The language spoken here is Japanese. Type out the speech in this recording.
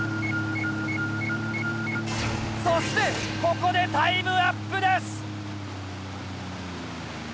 そしてここでタイムアップです。